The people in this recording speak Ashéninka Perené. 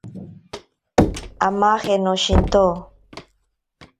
Amaje noshinto.